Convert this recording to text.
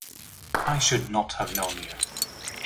I should not have known you.